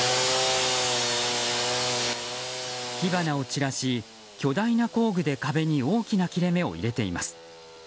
火花を散らし、巨大な工具で壁に大きな切れ目を入れています。